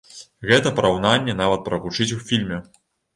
Гэта параўнанне нават прагучыць у фільме.